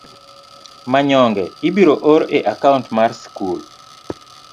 manyonge ibiro or e akaunt mar skul.